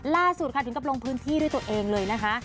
ล่าสุดค่ะถึงกับลงพื้นที่ด้วยตัวเองเลยนะคะ